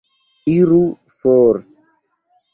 Iru for!